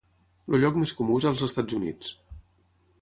El lloc més comú és als Estats Units.